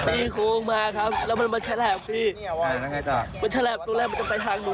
นี่โค้งมาครับแล้วมันมาแชะแหลมวะพี่